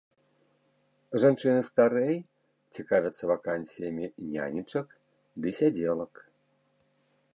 Жанчыны старэй цікавяцца вакансіямі нянечак ды сядзелак.